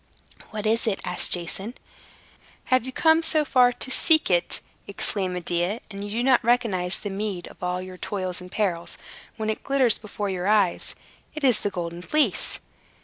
"What is it?" asked Jason. "Have you come so far to seek it," exclaimed Medea, "and do you not recognize the meed of all your toils and perils, when it glitters before your eyes? It is the Golden Fleece."